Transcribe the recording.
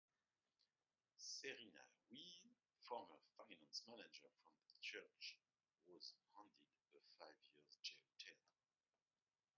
Serina Wee, former finance manager for the church, was handed a five-year jail term.